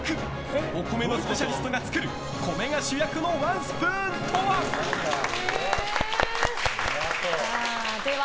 お米のスペシャリストが作る米が主役のワンスプーンとは。